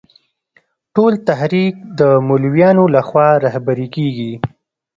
ټول تحریک د مولویانو له خوا رهبري کېږي.